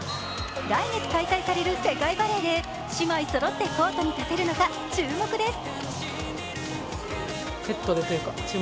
来月開催される世界バレーで姉妹そろってコートに立てるのか注目です。